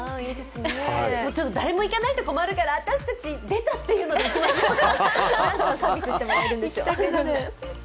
誰も行かないと困るから私たち出たっていうので生きましょうか。